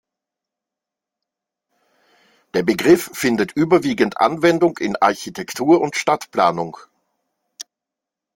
Der Begriff findet überwiegend Anwendung in Architektur und Stadtplanung.